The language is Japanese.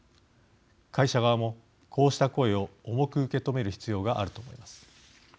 会社側も、こうした声を重く受け止める必要があると思います。